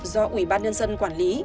do ủy ban nhân dân quản lý